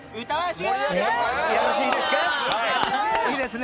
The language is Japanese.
いいですね。